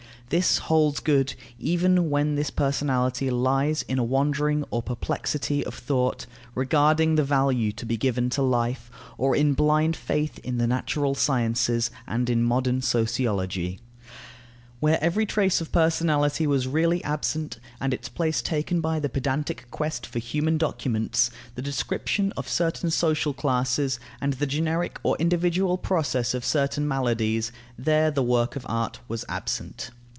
This holds good even when this personality lies in a wandering or perplexity of thought regarding the value to be given to life, or in blind faith in the natural sciences and in modern sociology. Where every trace of personality was really absent, and its place taken by the pedantic quest for human documents, the description of certain social classes and the generic or individual process of certain maladies, there the work of art was absent.